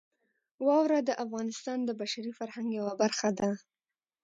واوره د افغانستان د بشري فرهنګ یوه برخه ده.